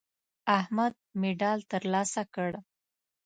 احمد مډال ترلاسه کړ.